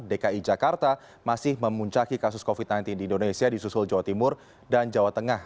dki jakarta masih memuncaki kasus covid sembilan belas di indonesia di susul jawa timur dan jawa tengah